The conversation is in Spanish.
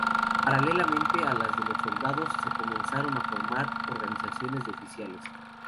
Paralelamente a las de los soldados, se comenzaron a formar organizaciones de oficiales.